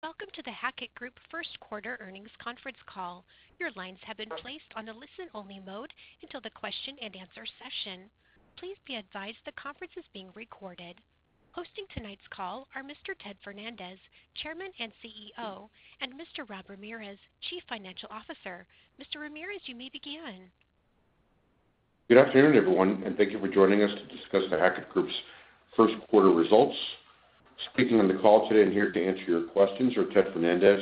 Welcome to The Hackett Group first quarter earnings conference call. Your lines have been placed on a listen-only mode until the question-and-answer session. Please be advised the conference is being recorded. Hosting tonight's call are Mr. Ted Fernandez, Chairman and CEO, and Mr. Rob Ramirez, Chief Financial Officer. Mr. Ramirez, you may begin. Good afternoon, everyone, and thank you for joining us to discuss The Hackett Group's first quarter results. Speaking on the call today and here to answer your questions are Ted Fernandez,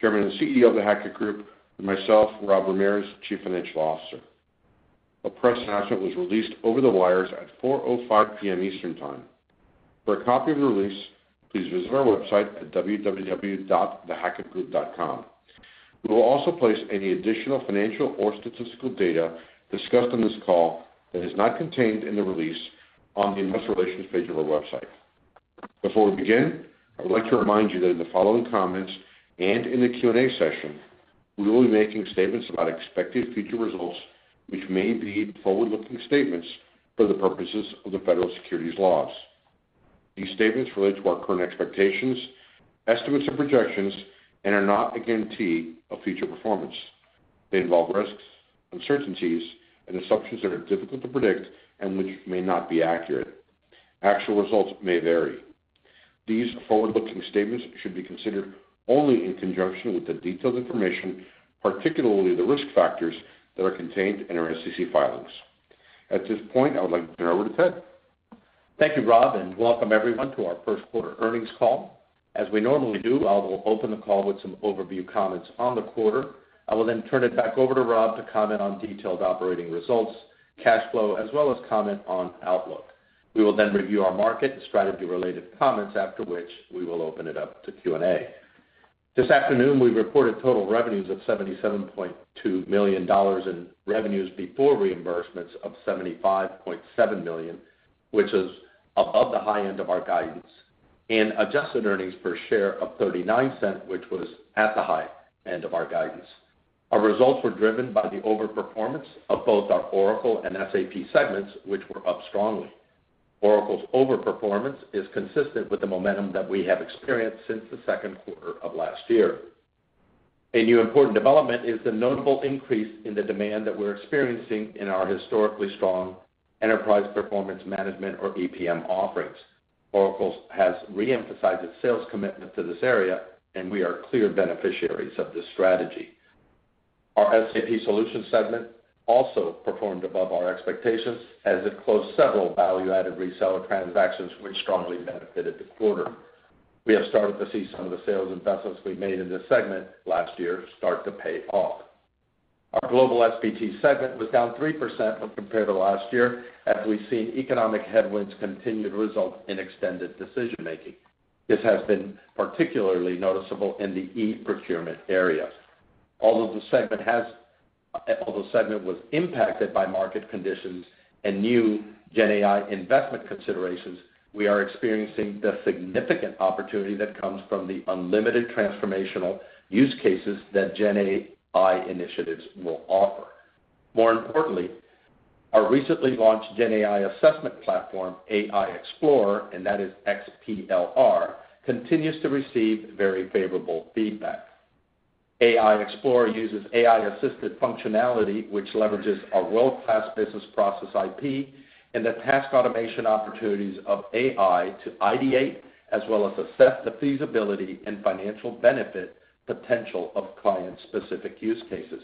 Chairman and CEO of The Hackett Group, and myself, Rob Ramirez, Chief Financial Officer. A press announcement was released over the wires at 4:05 P.M. Eastern Time. For a copy of the release, please visit our website at www.thehackettgroup.com. We will also place any additional financial or statistical data discussed on this call that is not contained in the release on the investor relations page of our website. Before we begin, I would like to remind you that in the following comments and in the Q&A session, we will be making statements about expected future results, which may be forward-looking statements for the purposes of the federal securities laws. These statements relate to our current expectations, estimates, and projections, and are not a guarantee of future performance. They involve risks, uncertainties, and assumptions that are difficult to predict and which may not be accurate. Actual results may vary. These forward-looking statements should be considered only in conjunction with the detailed information, particularly the risk factors that are contained in our SEC filings. At this point, I would like to turn it over to Ted. Thank you, Rob, and welcome everyone to our first quarter earnings call. As we normally do, I will open the call with some overview comments on the quarter. I will then turn it back over to Rob to comment on detailed operating results, cash flow, as well as comment on outlook. We will then review our market and strategy-related comments, after which we will open it up to Q&A. This afternoon, we reported total revenues of $77.2 million and revenues before reimbursements of $75.7 million, which is above the high end of our guidance, and adjusted earnings per share of $0.39, which was at the high end of our guidance. Our results were driven by the overperformance of both our Oracle and SAP segments, which were up strongly. Oracle's overperformance is consistent with the momentum that we have experienced since the second quarter of last year. A new important development is the notable increase in the demand that we're experiencing in our historically strong enterprise performance management, or EPM, offerings. Oracle has reemphasized its sales commitment to this area, and we are clear beneficiaries of this strategy. Our SAP Solutions segment also performed above our expectations as it closed several value-added reseller transactions, which strongly benefited the quarter. We have started to see some of the sales investments we made in this segment last year start to pay off. Our Global S&BT segment was down 3% when compared to last year as we've seen economic headwinds continue to result in extended decision-making. This has been particularly noticeable in the e-procurement area. Although the segment was impacted by market conditions and new GenAI investment considerations, we are experiencing the significant opportunity that comes from the unlimited transformational use cases that GenAI initiatives will offer. More importantly, our recently launched GenAI assessment platform, AI Explorer, and that is XPLR, continues to receive very favorable feedback. AI Explorer uses AI-assisted functionality, which leverages our world-class business process IP and the task automation opportunities of AI to ideate as well as assess the feasibility and financial benefit potential of client-specific use cases.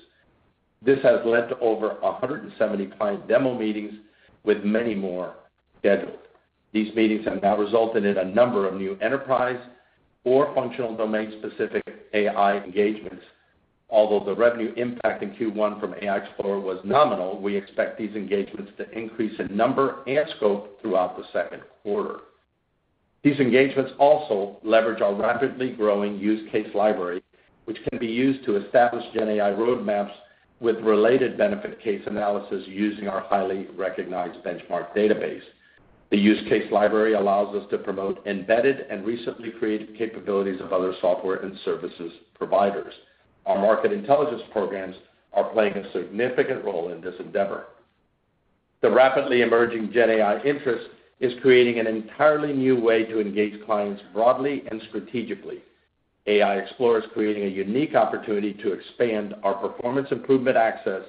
This has led to over 170 client demo meetings with many more scheduled. These meetings have now resulted in a number of new enterprise or functional domain-specific AI engagements. Although the revenue impact in Q1 from AI Explorer was nominal, we expect these engagements to increase in number and scope throughout the second quarter. These engagements also leverage our rapidly growing use case library, which can be used to establish GenAI roadmaps with related benefit case analysis using our highly recognized benchmark database. The use case library allows us to promote embedded and recently created capabilities of other software and services providers. Our market intelligence programs are playing a significant role in this endeavor. The rapidly emerging GenAI interest is creating an entirely new way to engage clients broadly and strategically. AI Explorer is creating a unique opportunity to expand our performance improvement access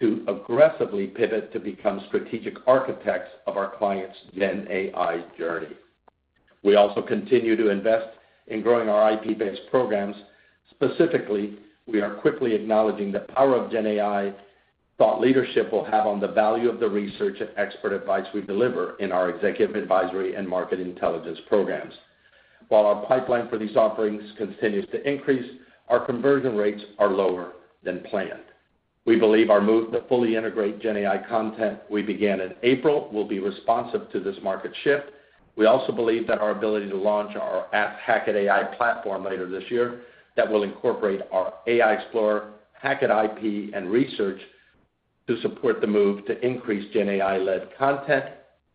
to aggressively pivot to become strategic architects of our clients' GenAI journey. We also continue to invest in growing our IP-based programs. Specifically, we are quickly acknowledging the power of GenAI thought leadership will have on the value of the research and expert advice we deliver in our executive advisory and market intelligence programs. While our pipeline for these offerings continues to increase, our conversion rates are lower than planned. We believe our move to fully integrate GenAI content we began in April will be responsive to this market shift. We also believe that our ability to launch our Hackett AI platform later this year will incorporate our AI Explorer, Hackett IP, and research to support the move to increase GenAI-led content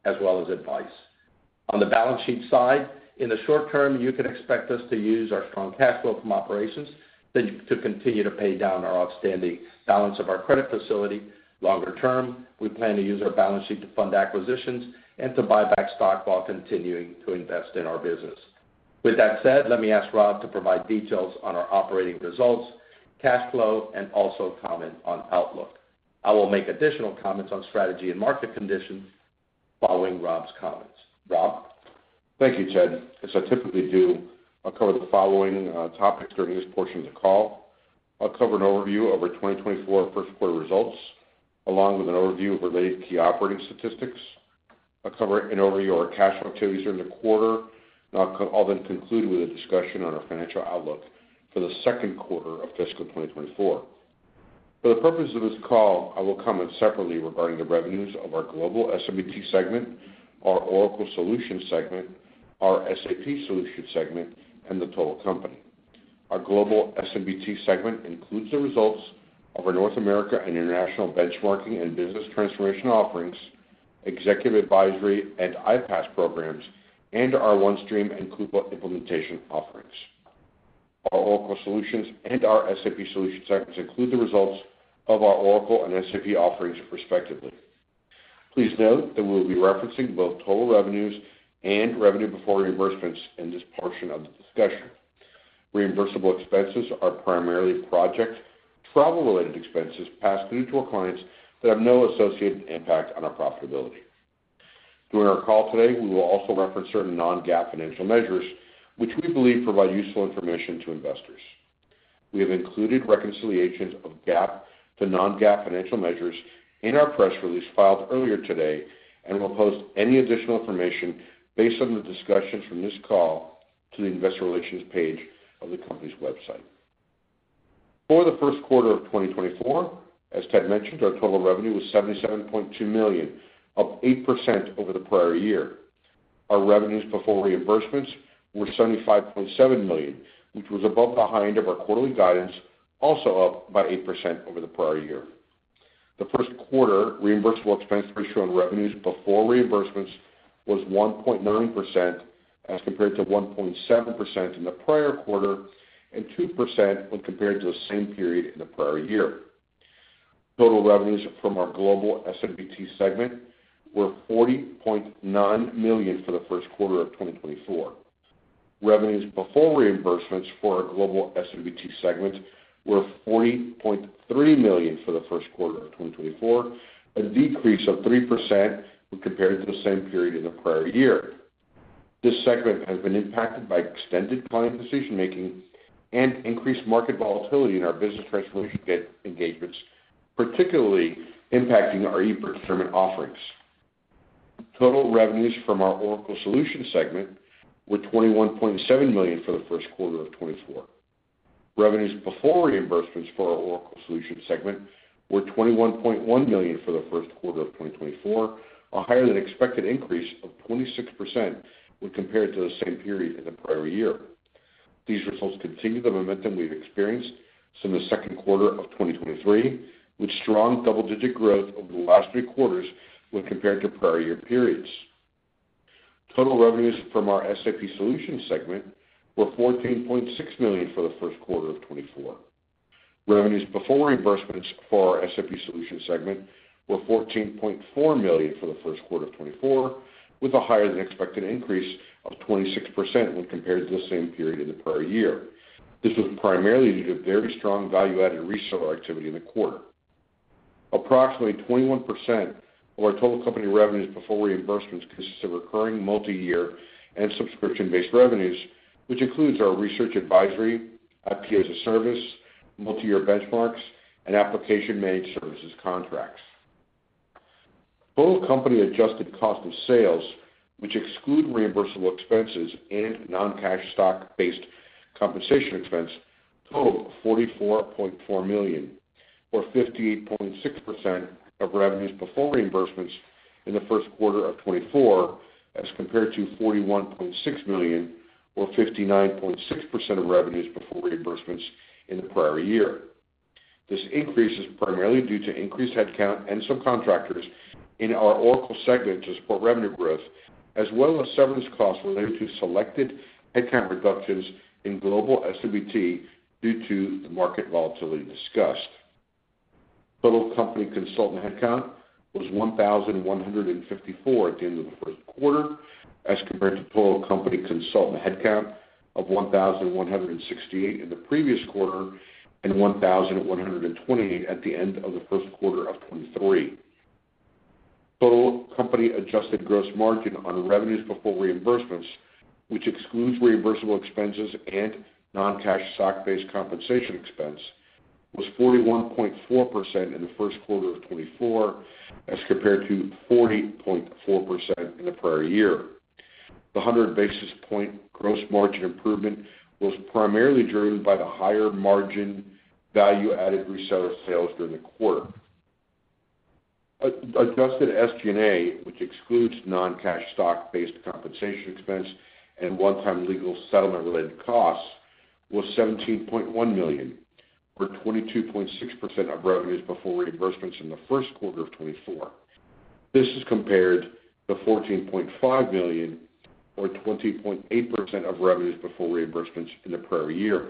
as well as advice. On the balance sheet side, in the short term, you can expect us to use our strong cash flow from operations to continue to pay down our outstanding balance of our credit facility. Longer term, we plan to use our balance sheet to fund acquisitions and to buy back stock while continuing to invest in our business. With that said, let me ask Rob to provide details on our operating results, cash flow, and also comment on outlook. I will make additional comments on strategy and market conditions following Rob's comments. Rob? Thank you, Ted. As I typically do, I'll cover the following topics during this portion of the call. I'll cover an overview of our 2024 first quarter results along with an overview of related key operating statistics. I'll cover an overview of our cash flow activities during the quarter, and I'll then conclude with a discussion on our financial outlook for the second quarter of fiscal 2024. For the purposes of this call, I will comment separately regarding the revenues of our Global S&BT segment, our Oracle solutions segment, our SAP solutions segment, and the total company. Our Global S&BT segment includes the results of our North America and international benchmarking and business transformation offerings, executive advisory and iPaaS programs, and our OneStream and Coupa implementation offerings. Our Oracle solutions and our SAP solutions segments include the results of our Oracle and SAP offerings, respectively. Please note that we will be referencing both total revenues and revenue before reimbursements in this portion of the discussion. Reimbursable expenses are primarily project travel-related expenses passed through to our clients that have no associated impact on our profitability. During our call today, we will also reference certain non-GAAP financial measures, which we believe provide useful information to investors. We have included reconciliations of GAAP to non-GAAP financial measures in our press release filed earlier today and will post any additional information based on the discussions from this call to the Investor Relations page of the company's website. For the first quarter of 2024, as Ted mentioned, our total revenue was $77.2 million, up 8% over the prior year. Our revenues before reimbursements were $75.7 million, which was above the high end of our quarterly guidance, also up by 8% over the prior year. The first quarter reimbursable expense ratio on revenues before reimbursements was 1.9% as compared to 1.7% in the prior quarter and 3% when compared to the same period in the prior year. Total revenues from our Global S&BT segment were $40.9 million for the first quarter of 2024. Revenues before reimbursements for our Global S&BT segment were $40.3 million for the first quarter of 2024, a decrease of 3% when compared to the same period in the prior year. This segment has been impacted by extended client decision-making and increased market volatility in our business transformation engagements, particularly impacting our e-procurement offerings. Total revenues from our Oracle Solutions segment were $21.7 million for the first quarter of 2024. Revenues before reimbursements for our Oracle Solutions segment were $21.1 million for the first quarter of 2024, a higher-than-expected increase of 26% when compared to the same period in the prior year. These results continue the momentum we've experienced since the second quarter of 2023, with strong double-digit growth over the last three quarters when compared to prior year periods. Total revenues from our SAP Solutions segment were $14.6 million for the first quarter of 2024. Revenues before reimbursements for our SAP Solutions segment were $14.4 million for the first quarter of 2024, with a higher-than-expected increase of 26% when compared to the same period in the prior year. This was primarily due to very strong value-added reseller activity in the quarter. Approximately 21% of our total company revenues before reimbursements consists of recurring multi-year and subscription-based revenues, which includes our research advisory, IP-as-a-Service, multi-year benchmarks, and application-managed services contracts. Total company adjusted cost of sales, which exclude reimbursable expenses and non-cash stock-based compensation expense, totaled $44.4 million, or 58.6% of revenues before reimbursements in the first quarter of 2024 as compared to $41.6 million, or 59.6% of revenues before reimbursements in the prior year. This increase is primarily due to increased headcount and subcontractors in our Oracle segment to support revenue growth, as well as severance costs related to selected headcount reductions in Global S&BT due to the market volatility discussed. Total company consultant headcount was 1,154 at the end of the first quarter as compared to total company consultant headcount of 1,168 in the previous quarter and 1,128 at the end of the first quarter of 2023. Total company adjusted gross margin on revenues before reimbursements, which excludes reimbursable expenses and non-cash stock-based compensation expense, was 41.4% in the first quarter of 2024 as compared to 40.4% in the prior year. The 100 basis point gross margin improvement was primarily driven by the higher margin value-added reseller sales during the quarter. Adjusted SG&A, which excludes non-cash stock-based compensation expense and one-time legal settlement-related costs, was $17.1 million, or 22.6% of revenues before reimbursements in the first quarter of 2024. This is compared to $14.5 million, or 20.8% of revenues before reimbursements in the prior year.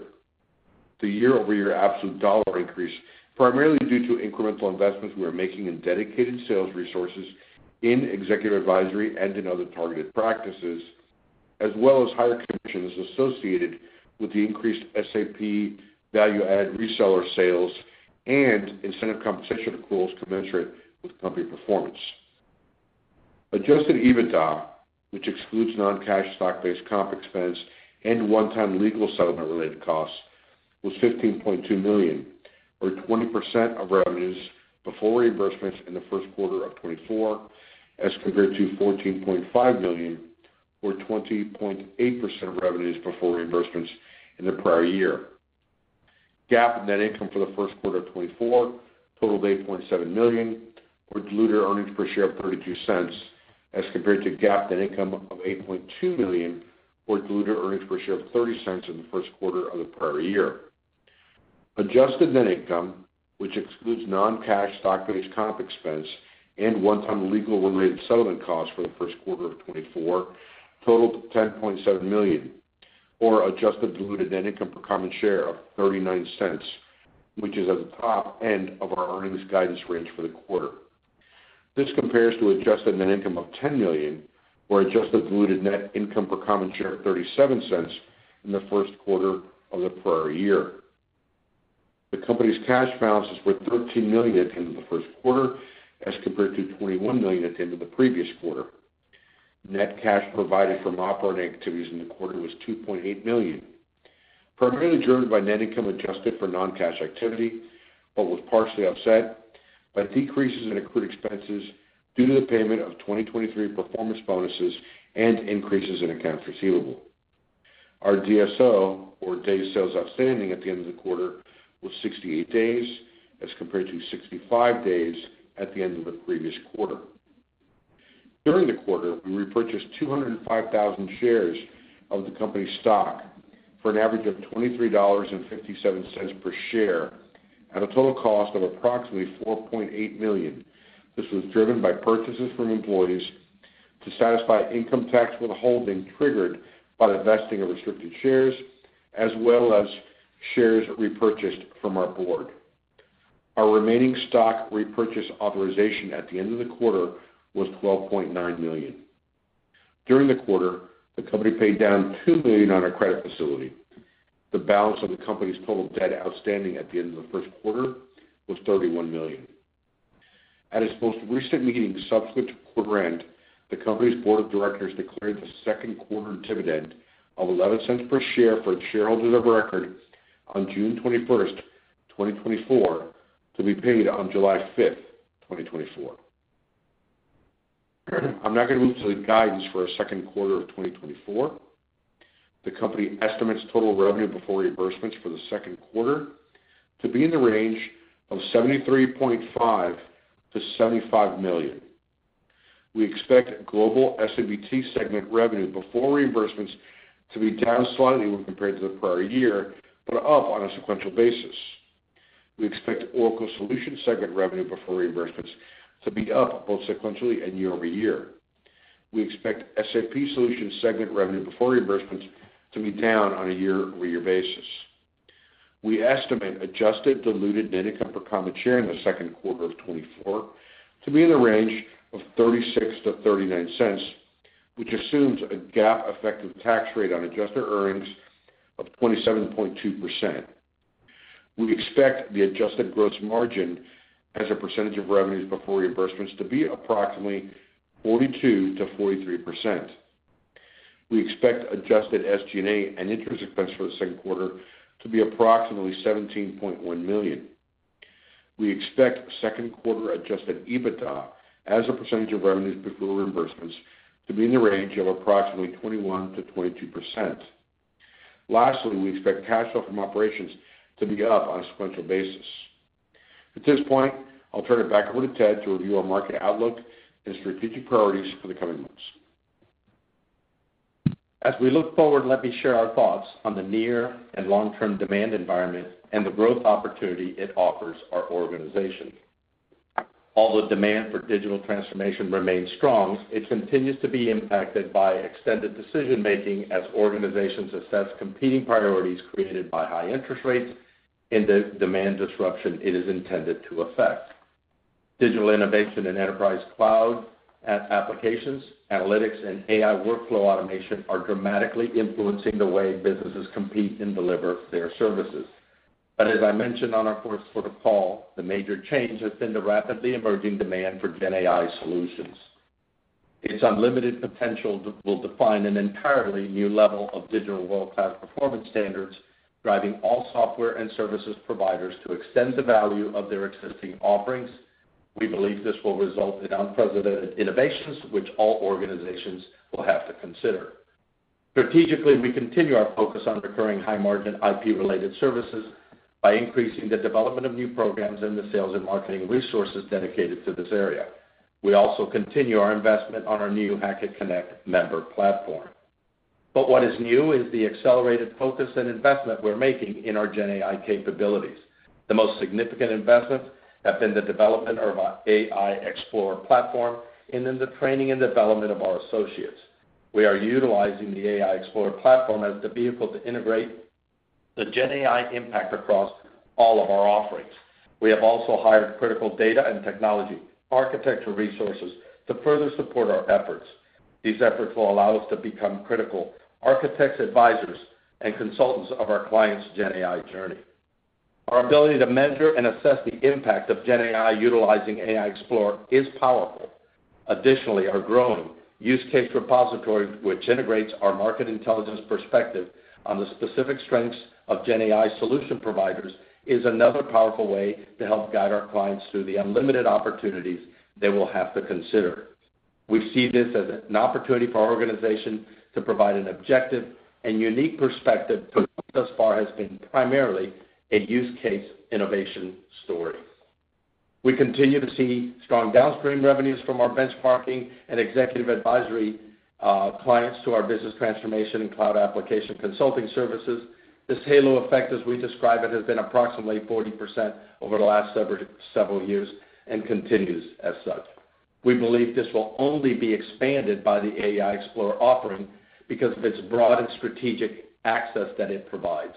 The year-over-year absolute dollar increase, primarily due to incremental investments we are making in dedicated sales resources in executive advisory and in other targeted practices, as well as higher commissions associated with the increased SAP value-added reseller sales and incentive compensation accruals commensurate with company performance. Adjusted EBITDA, which excludes non-cash stock-based comp expense and one-time legal settlement-related costs, was $15.2 million, or 20% of revenues before reimbursements in the first quarter of 2024 as compared to $14.5 million, or 20.8% of revenues before reimbursements in the prior year. GAAP net income for the first quarter of 2024 totaled $8.7 million, or diluted earnings per share of $0.32 as compared to GAAP net income of $8.2 million, or diluted earnings per share of $0.30 in the first quarter of the prior year. Adjusted net income, which excludes non-cash stock-based comp expense and one-time legal-related settlement costs for the first quarter of 2024, totaled $10.7 million, or adjusted diluted net income per common share of $0.39, which is at the top end of our earnings guidance range for the quarter. This compares to adjusted net income of $10 million, or adjusted diluted net income per common share of $0.37 in the first quarter of the prior year. The company's cash balances were $13 million at the end of the first quarter as compared to $21 million at the end of the previous quarter. Net cash provided from operating activities in the quarter was $2.8 million, primarily driven by net income adjusted for non-cash activity but was partially offset by decreases in accrued expenses due to the payment of 2023 performance bonuses and increases in accounts receivable. Our DSO, or Days Sales Outstanding at the end of the quarter, was 68 days as compared to 65 days at the end of the previous quarter. During the quarter, we repurchased 205,000 shares of the company's stock for an average of $23.57 per share at a total cost of approximately $4.8 million. This was driven by purchases from employees to satisfy income tax withholding triggered by the vesting of restricted shares as well as shares repurchased from our Board. Our remaining stock repurchase authorization at the end of the quarter was $12.9 million. During the quarter, the company paid down $2 million on our credit facility. The balance of the company's total debt outstanding at the end of the first quarter was $31 million. At its most recent meeting subsequent to quarter end, the Company's Board of Directors declared the second quarter dividend of $0.11 per share for its shareholders of record on June 21st, 2024, to be paid on July 5th, 2024. I'm not going to move to the guidance for a second quarter of 2024. The company estimates total revenue before reimbursements for the second quarter to be in the range of $73.5 million-$75 million. We expect Global S&BT segment revenue before reimbursements to be down slightly when compared to the prior year but up on a sequential basis. We expect Oracle Solutions segment revenue before reimbursements to be up both sequentially and year-over-year. We expect SAP Solutions segment revenue before reimbursements to be down on a year-over-year basis. We estimate adjusted diluted net income per common share in the second quarter of 2024 to be in the range of $0.36-$0.39, which assumes a GAAP effective tax rate on adjusted earnings of 27.2%. We expect the adjusted gross margin as a percentage of revenues before reimbursements to be approximately 42%-43%. We expect adjusted SG&A and interest expense for the second quarter to be approximately $17.1 million. We expect second quarter adjusted EBITDA as a percentage of revenues before reimbursements to be in the range of approximately 21%-22%. Lastly, we expect cash flow from operations to be up on a sequential basis. At this point, I'll turn it back over to Ted to review our market outlook and strategic priorities for the coming months. As we look forward, let me share our thoughts on the near and long-term demand environment and the growth opportunity it offers our organization. Although demand for digital transformation remains strong, it continues to be impacted by extended decision-making as organizations assess competing priorities created by high interest rates and the demand disruption it is intended to affect. Digital innovation and enterprise cloud applications, analytics, and AI workflow automation are dramatically influencing the way businesses compete and deliver their services. But as I mentioned on our fourth quarter call, the major change has been the rapidly emerging demand for GenAI solutions. Its unlimited potential will define an entirely new level of Digital World Class performance standards, driving all software and services providers to extend the value of their existing offerings. We believe this will result in unprecedented innovations, which all organizations will have to consider. Strategically, we continue our focus on recurring high-margin IP-related services by increasing the development of new programs and the sales and marketing resources dedicated to this area. We also continue our investment on our new Hackett Connect member platform. But what is new is the accelerated focus and investment we're making in our GenAI capabilities. The most significant investments have been the development of our AI Explorer platform and then the training and development of our associates. We are utilizing the AI Explorer platform as the vehicle to integrate the GenAI impact across all of our offerings. We have also hired critical data and technology architecture resources to further support our efforts. These efforts will allow us to become critical architects, advisors, and consultants of our clients' GenAI journey. Our ability to measure and assess the impact of GenAI utilizing AI Explorer is powerful. Additionally, our growing use case repository, which integrates our market intelligence perspective on the specific strengths of GenAI solution providers, is another powerful way to help guide our clients through the unlimited opportunities they will have to consider. We see this as an opportunity for our organization to provide an objective and unique perspective. So thus far has been primarily a use case innovation story. We continue to see strong downstream revenues from our benchmarking and executive advisory clients to our business transformation and cloud application consulting services. This halo effect, as we describe it, has been approximately 40% over the last several years and continues as such. We believe this will only be expanded by the AI Explorer offering because of its broad and strategic access that it provides.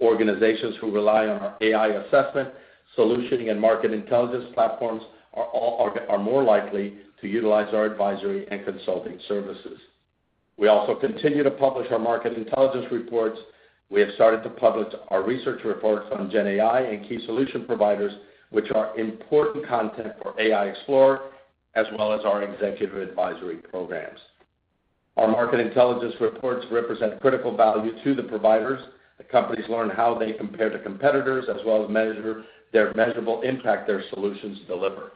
Organizations who rely on our AI assessment, solution, and market intelligence platforms are more likely to utilize our advisory and consulting services. We also continue to publish our market intelligence reports. We have started to publish our research reports on GenAI and key solution providers, which are important content for AI Explorer as well as our executive advisory programs. Our market intelligence reports represent critical value to the providers. The companies learn how they compare to competitors as well as measure the measurable impact their solutions deliver.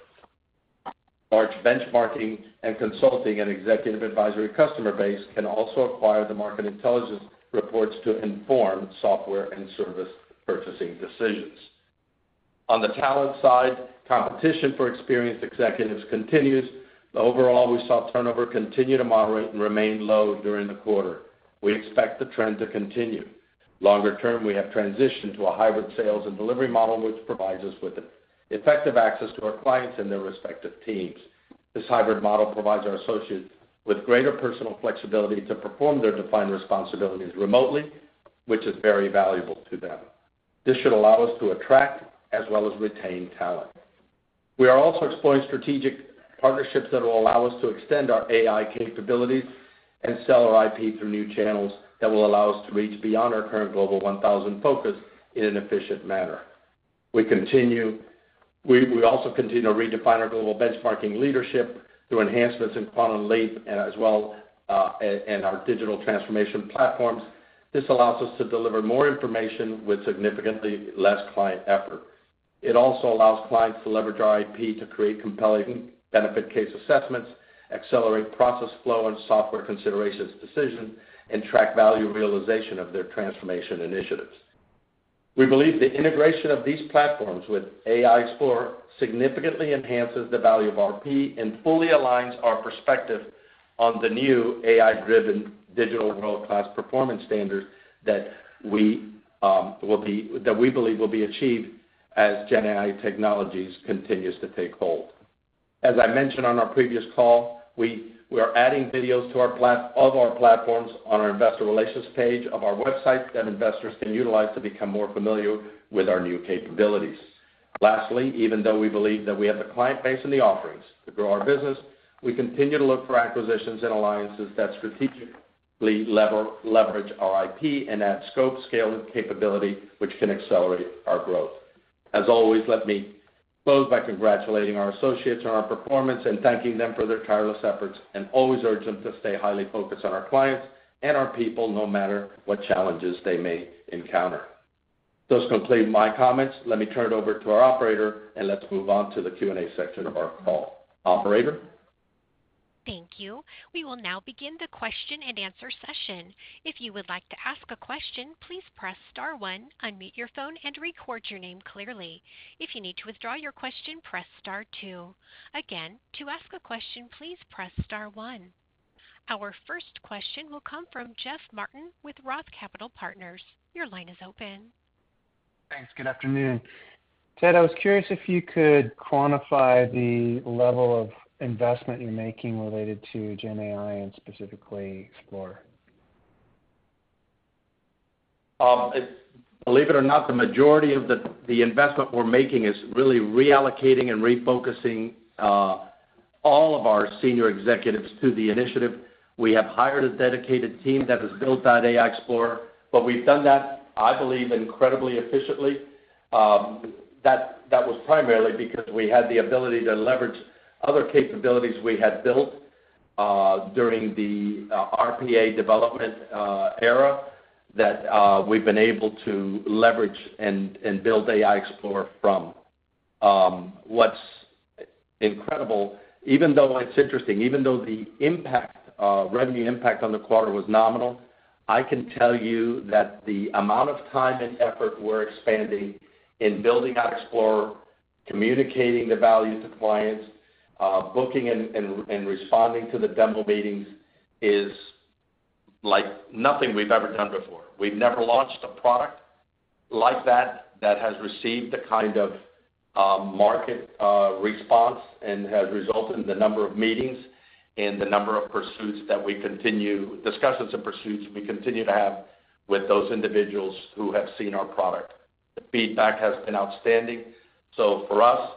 Large benchmarking and consulting and executive advisory customer base can also acquire the market intelligence reports to inform software and service purchasing decisions. On the talent side, competition for experienced executives continues. Overall, we saw turnover continue to moderate and remain low during the quarter. We expect the trend to continue. Longer term, we have transitioned to a hybrid sales and delivery model, which provides us with effective access to our clients and their respective teams. This hybrid model provides our associates with greater personal flexibility to perform their defined responsibilities remotely, which is very valuable to them. This should allow us to attract as well as retain talent. We are also exploring strategic partnerships that will allow us to extend our AI capabilities and sell our IP through new channels that will allow us to reach beyond our current Global 1000 focus in an efficient manner. We also continue to redefine our global benchmarking leadership through enhancements in Quantum Leap as well as our digital transformation platforms. This allows us to deliver more information with significantly less client effort. It also allows clients to leverage our IP to create compelling benefit case assessments, accelerate process flow and software considerations decisions, and track value realization of their transformation initiatives. We believe the integration of these platforms with AI Explorer significantly enhances the value of our IP and fully aligns our perspective on the new AI-driven Digital World Class performance standards that we believe will be achieved as GenAI technologies continues to take hold. As I mentioned on our previous call, we are adding videos of our platforms on our investor relations page of our website that investors can utilize to become more familiar with our new capabilities. Lastly, even though we believe that we have the client base and the offerings to grow our business, we continue to look for acquisitions and alliances that strategically leverage our IP and add scope, scale, and capability, which can accelerate our growth. As always, let me close by congratulating our associates on our performance and thanking them for their tireless efforts, and always urge them to stay highly focused on our clients and our people no matter what challenges they may encounter. That completes my comments. Let me turn it over to our operator, and let's move on to the Q&A section of our call. Operator? Thank you. We will now begin the question and answer session. If you would like to ask a question, please press star one, unmute your phone, and record your name clearly. If you need to withdraw your question, press star two. Again, to ask a question, please press star one. Our first question will come from Jeff Martin with Roth Capital Partners. Your line is open. Thanks. Good afternoon. Ted, I was curious if you could quantify the level of investment you're making related to GenAI and specifically AI Explorer. Believe it or not, the majority of the investment we're making is really reallocating and refocusing all of our senior executives to the initiative. We have hired a dedicated team that has built that AI Explorer, but we've done that, I believe, incredibly efficiently. That was primarily because we had the ability to leverage other capabilities we had built during the RPA development era that we've been able to leverage and build AI Explorer from. What's incredible, even though it's interesting, even though the revenue impact on the quarter was nominal, I can tell you that the amount of time and effort we're expending in building out Explorer, communicating the value to clients, booking, and responding to the demo meetings is nothing we've ever done before. We've never launched a product like that that has received the kind of market response and has resulted in the number of meetings and the number of discussions and pursuits we continue to have with those individuals who have seen our product. The feedback has been outstanding. So for us,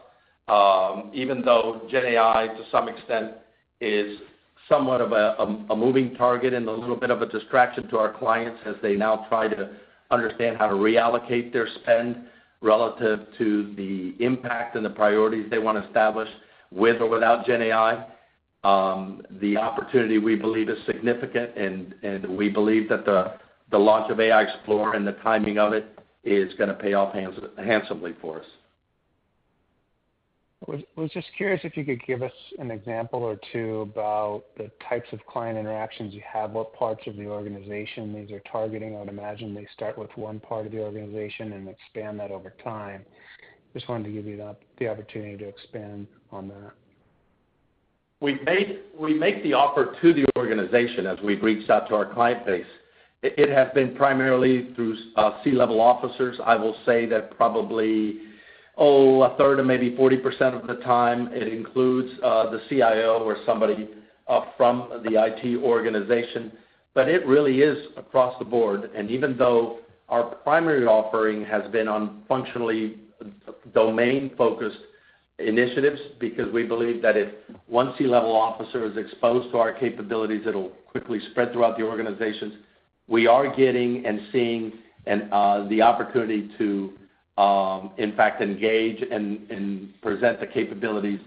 even though GenAI to some extent is somewhat of a moving target and a little bit of a distraction to our clients as they now try to understand how to reallocate their spend relative to the impact and the priorities they want to establish with or without GenAI, the opportunity we believe is significant, and we believe that the launch of AI Explorer and the timing of it is going to pay off handsomely for us. I was just curious if you could give us an example or two about the types of client interactions you have, what parts of the organization these are targeting? I would imagine they start with one part of the organization and expand that over time. Just wanted to give you the opportunity to expand on that. We make the offer to the organization as we've reached out to our client base. It has been primarily through C-level officers. I will say that probably, oh, a third or maybe 40% of the time, it includes the CIO or somebody from the IT organization. But it really is across the board. And even though our primary offering has been on functionally domain-focused initiatives because we believe that if one C-level officer is exposed to our capabilities, it'll quickly spread throughout the organizations, we are getting and seeing the opportunity to, in fact, engage and present the capabilities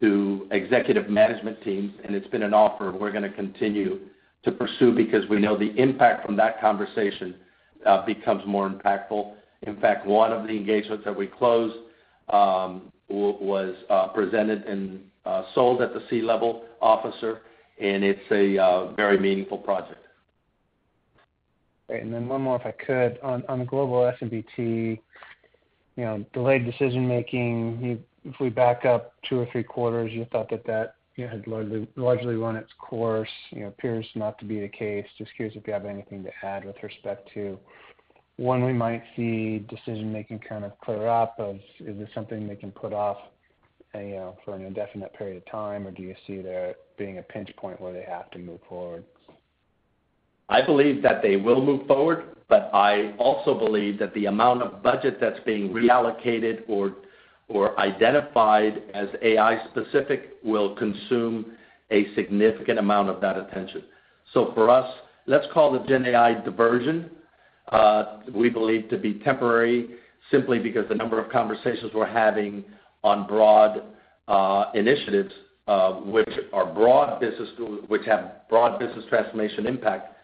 to executive management teams. And it's been an offer we're going to continue to pursue because we know the impact from that conversation becomes more impactful. In fact, one of the engagements that we closed was presented and sold at the C-level officer, and it's a very meaningful project. Great. And then one more, if I could. On the Global S&BT, delayed decision-making, if we back up two or three quarters, you thought that that had largely run its course. Appears not to be the case. Just curious if you have anything to add with respect to when we might see decision-making kind of clear up, or is this something they can put off for an indefinite period of time, or do you see there being a pinch point where they have to move forward? I believe that they will move forward, but I also believe that the amount of budget that's being reallocated or identified as AI-specific will consume a significant amount of that attention. So for us, let's call the GenAI diversion we believe to be temporary simply because the number of conversations we're having on broad initiatives, which have broad business transformation impact,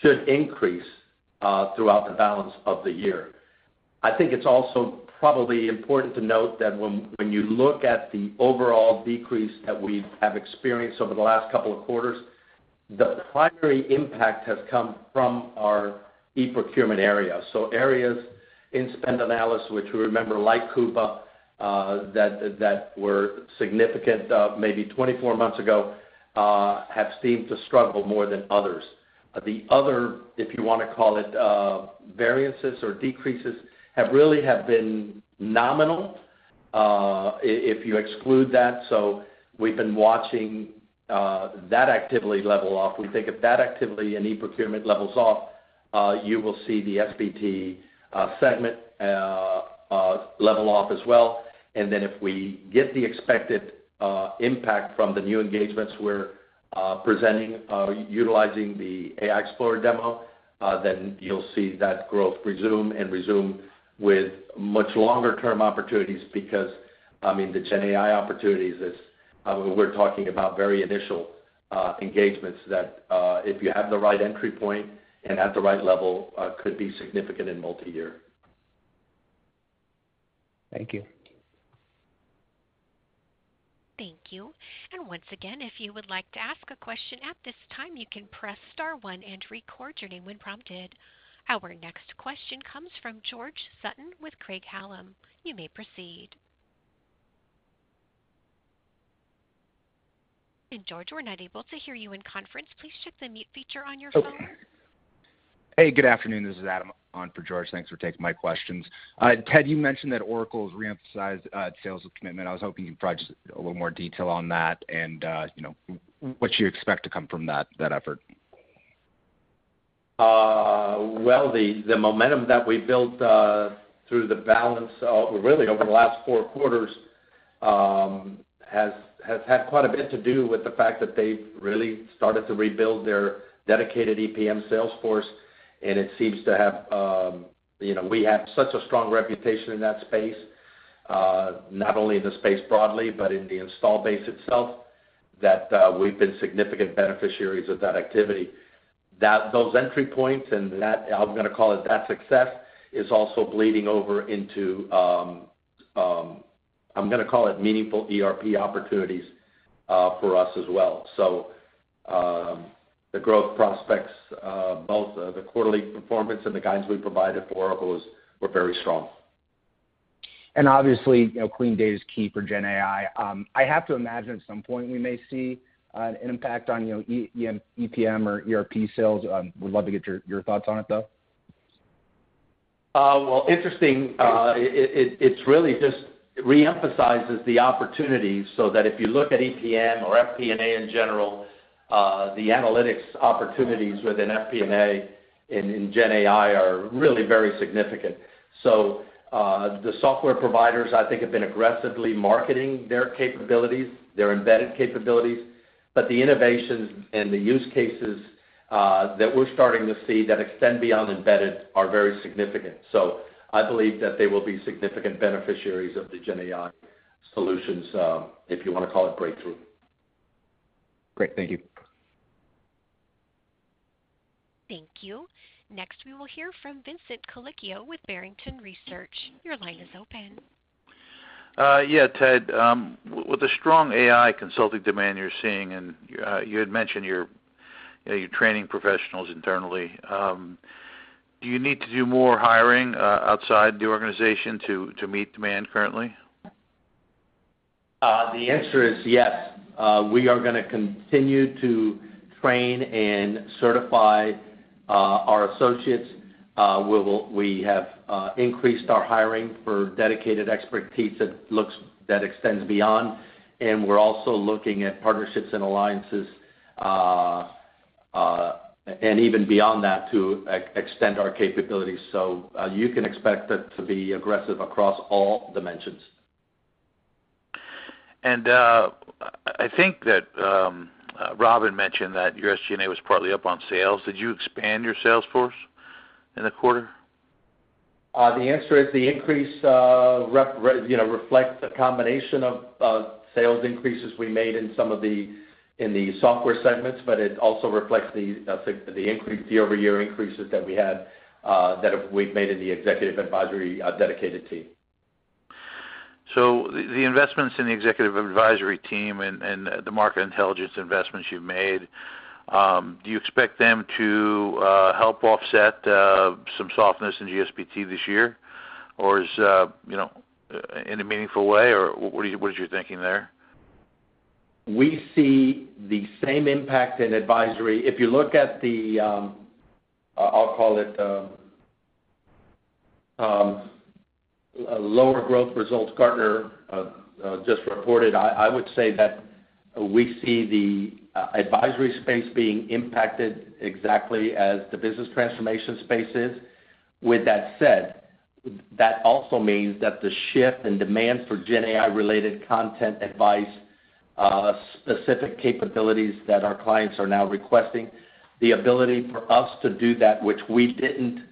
should increase throughout the balance of the year. I think it's also probably important to note that when you look at the overall decrease that we have experienced over the last couple of quarters, the primary impact has come from our e-procurement area. So areas in spend analysis, which we remember like Coupa that were significant maybe 24 months ago, have seemed to struggle more than others. The other, if you want to call it, variances or decreases really have been nominal if you exclude that. So we've been watching that activity level off. We think if that activity and e-procurement levels off, you will see the SBT segment level off as well. And then if we get the expected impact from the new engagements we're utilizing the AI Explorer demo, then you'll see that growth resume and resume with much longer-term opportunities because, I mean, the GenAI opportunities, we're talking about very initial engagements that if you have the right entry point and at the right level, could be significant in multi-year. Thank you. Thank you. And once again, if you would like to ask a question at this time, you can press star one and record your name when prompted. Our next question comes from George Sutton with Craig-Hallum. You may proceed. And George, we're not able to hear you in conference. Please check the mute feature on your phone. Hey, good afternoon. This is Adam on for George. Thanks for taking my questions. Ted, you mentioned that Oracle has reemphasized sales with commitment. I was hoping you could provide just a little more detail on that and what you expect to come from that effort? Well, the momentum that we built through the balance, really over the last four quarters, has had quite a bit to do with the fact that they've really started to rebuild their dedicated EPM salesforce. And it seems we have such a strong reputation in that space, not only in the space broadly, but in the install base itself that we've been significant beneficiaries of that activity. Those entry points and I'm going to call it that success is also bleeding over into, I'm going to call it, meaningful ERP opportunities for us as well. So the growth prospects, both the quarterly performance and the guidance we provided for Oracle were very strong. Obviously, clean data is key for GenAI. I have to imagine at some point we may see an impact on EPM or ERP sales. Would love to get your thoughts on it, though. Well, interesting. It really just reemphasizes the opportunities so that if you look at EPM or FP&A in general, the analytics opportunities within FP&A and GenAI are really very significant. So the software providers, I think, have been aggressively marketing their embedded capabilities. But the innovations and the use cases that we're starting to see that extend beyond embedded are very significant. So I believe that they will be significant beneficiaries of the GenAI solutions, if you want to call it breakthrough. Great. Thank you. Thank you. Next, we will hear from Vincent Colicchio with Barrington Research. Your line is open. Yeah, Ted. With the strong AI consulting demand you're seeing, and you had mentioned you're training professionals internally, do you need to do more hiring outside the organization to meet demand currently? The answer is yes. We are going to continue to train and certify our associates. We have increased our hiring for dedicated expertise that extends beyond. We're also looking at partnerships and alliances and even beyond that to extend our capabilities. You can expect that to be aggressive across all dimensions. I think that Robin mentioned that your SG&A was partly up on sales. Did you expand your salesforce in the quarter? The answer is the increase reflects a combination of sales increases we made in some of the software segments, but it also reflects the year-over-year increases that we've made in the executive advisory dedicated team. So the investments in the executive advisory team and the market intelligence investments you've made, do you expect them to help offset some softness in GS&BT this year, or is it in a meaningful way, or what is your thinking there? We see the same impact in advisory. If you look at the, I'll call it, lower growth results Gartner just reported, I would say that we see the advisory space being impacted exactly as the business transformation space is. With that said, that also means that the shift in demand for GenAI-related content, advice, specific capabilities that our clients are now requesting, the ability for us to do that, which we didn't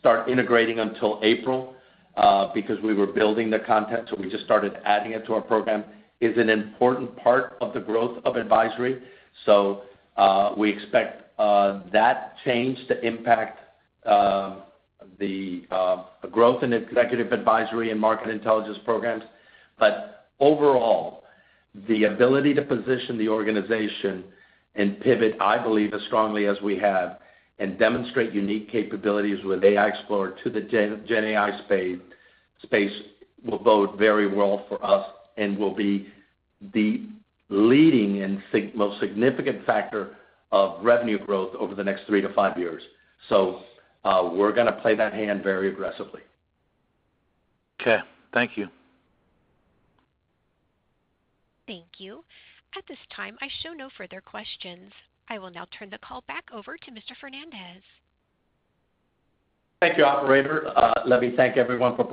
start integrating until April because we were building the content, so we just started adding it to our program, is an important part of the growth of advisory. We expect that change to impact the growth in executive advisory and market intelligence programs. But overall, the ability to position the organization and pivot, I believe, as strongly as we have and demonstrate unique capabilities with AI Explorer to the GenAI space will bode very well for us and will be the leading and most significant factor of revenue growth over the next three to five years. So we're going to play that hand very aggressively. Okay. Thank you. Thank you. At this time, I show no further questions. I will now turn the call back over to Mr. Fernandez. Thank you, operator. Let me thank everyone for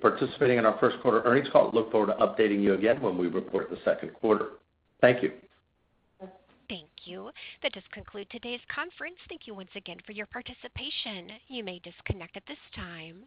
participating in our first quarter earnings call. Look forward to updating you again when we report the second quarter. Thank you. Thank you. That does conclude today's conference. Thank you once again for your participation. You may disconnect at this time.